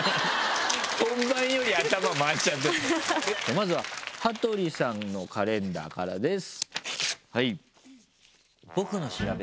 まずは羽鳥さんのカレンダーからです。